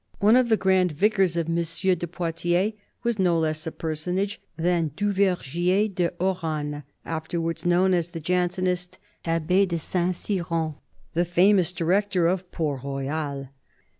One of the grand vicars of M. de Poitiers was no less a personage than Duvergier de Hauranne, afterwards known as the Jansenist Abbe de St. Cyran, the famous director of Port Royal.